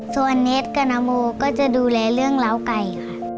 ส่วนเน็ตกับนโมก็จะดูแลเรื่องเล้าไก่ค่ะ